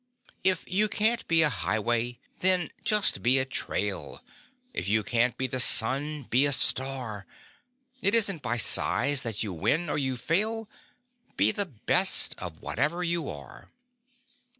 If you can't be a highway then just be a trail, If you can't be the sun be a star; It isn't by size that you win or you fail Be the best of whatever you are!